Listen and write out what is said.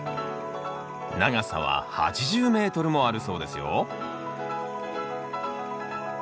長さは８０ｍもあるそうですよ